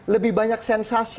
lebih banyak sensasi